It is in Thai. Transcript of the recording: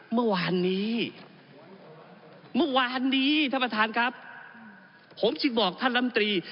เมื่อวานนี้เมื่อวานนี้ท่านประธานครับผมจึงบอกท่านลำตรี